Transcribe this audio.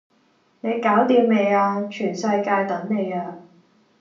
你搞惦未呀？全世界等你呀